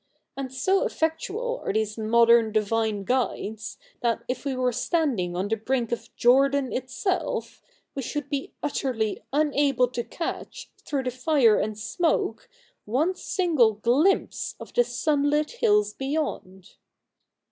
And so effectual are these modern divine guides, that if we were standing on the brink of Jordan itself, we should be utterly unable to catch, through the fi.re and the smoke, one single glimpse of the sunlit hills beyond.'